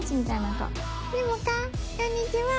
こんにちは！